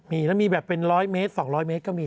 มีแล้วมีแบบเป็น๑๐๐เมตร๒๐๐เมตรก็มี